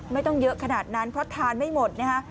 ไม่ต้องเยอะขนาดนั้นเพราะทานไม่หมดนะฮะ